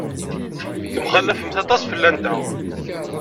Temxallafemt aṭas fell-aneɣ.